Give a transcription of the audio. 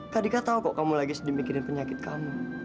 kak dika tahu kok kamu lagi sedih mikirin penyakit kamu